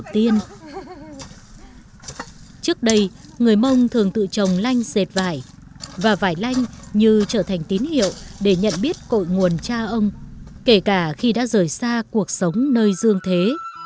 trước đây người mông thường tự trồng lanh dệt vải và vải lanh như trở thành tín hiệu để nhận biết cội nguồn cha ông kể cả khi đã rời xa cuộc sống nơi dương thế